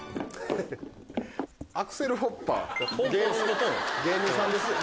「アクセルホッパー」芸人さんですよ。